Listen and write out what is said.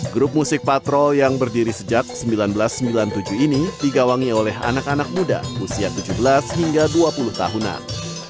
grup musik patrol yang berdiri sejak seribu sembilan ratus sembilan puluh tujuh ini digawangi oleh anak anak muda usia tujuh belas hingga dua puluh tahunan